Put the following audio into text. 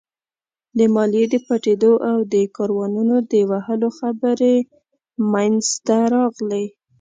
د ماليې د پټېدو او د کاروانونو د وهلو خبرې مينځته راغلې.